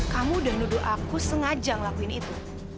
kamu dan nuduh aku sengaja ngelakuin itu